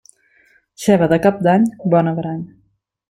Ceba de cap d'any, bon averany.